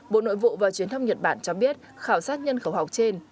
bộ nội vụ và truyền thông nhật bản cho biết khảo sát nhân khẩu học trên